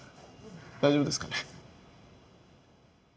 大丈夫ですかね。